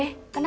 nggak ada be